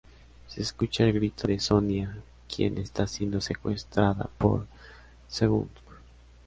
Se escucha el grito de Sonya quien está siendo secuestrada por Tsung.